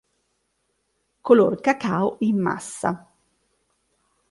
Color cacao in massa.